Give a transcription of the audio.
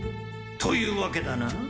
というわけだな？